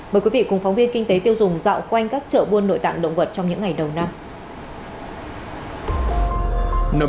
mời quý vị cùng phóng viên kinh tế tiêu dùng dạo quanh các chợ buôn nội tạng động vật trong những ngày đầu năm